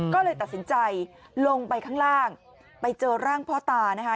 ก็เลยตัดสินใจลงไปข้างล่างไปเจอร่างพ่อตานะคะ